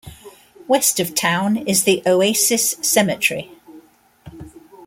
West of town is the Oasis Cemetery.